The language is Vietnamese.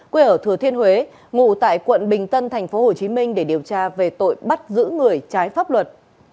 quê ở thừa thiên huế ngủ tại quận bình tân tp hcm để điều tra về tội bắt giữ người trái pháp luật